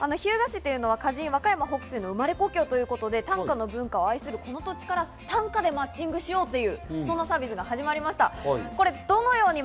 日向市というのは歌人・若山牧水の生まれ故郷ということで短歌の文化を愛するこの土地から短歌でマッチングしようというサービスが始まりました。